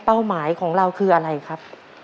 หมายของเราคืออะไรครับ